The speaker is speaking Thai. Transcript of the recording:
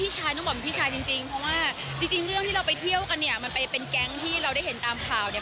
จริงเรื่องที่เราไปเที่ยวกันเนี่ยมันไปเป็นแก๊งที่เราได้เห็นตามข่าวเนี่ย